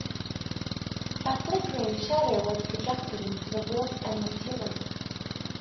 A flickering shadow was projected onto the walls and the ceiling.